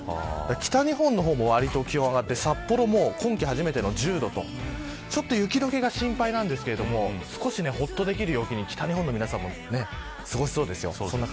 北日本の方も気温が上がって札幌は今季初めての１０度とちょっと雪解けが心配ですが少しほっとできる陽気に北日本も過ごせそうです。